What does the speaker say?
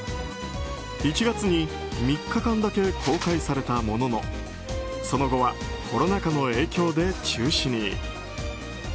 １月に３日間だけ公開されたもののその後はコロナ禍の影響で中止に。